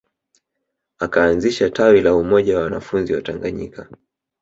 Akaanzisha tawi la Umoja wa wanafunzi Watanganyika